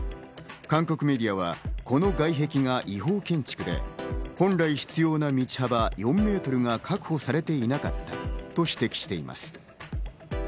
韓国メディアはこの外壁が違法建築で、本来必要な道幅４メートルが確保されていなかったと指摘しています。